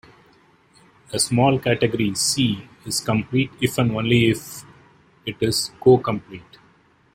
A small category "C" is complete if and only if it is cocomplete.